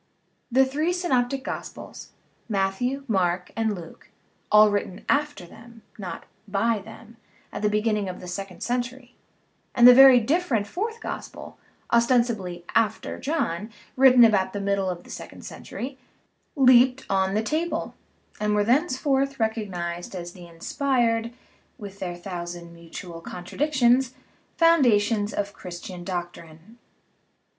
The three synoptic gospels (Matthew, Mark, and Luke all written after them, not by them, at the beginning of the second century) and the very different fourth gospel (ostensibly "after" John, written about the middle of the second century) leaped on the table, and were thenceforth recognized as the inspired (with their thousand mutual contradictions) foundations of Christian doctrine.